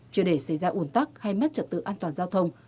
chưa để xảy ra ủn tắc hay mất trật tự an toàn giao thông